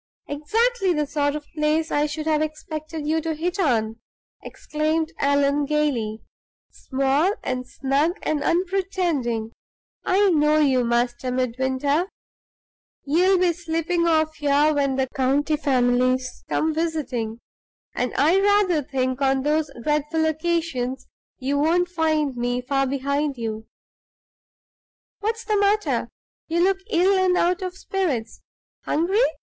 "Exactly the sort of place I should have expected you to hit on!" exclaimed Allan, gayly. "Small and snug and unpretending. I know you, Master Midwinter! You'll be slipping off here when the county families come visiting, and I rather think on those dreadful occasions you won't find me far behind you. What's the matter? You look ill and out of spirits. Hungry?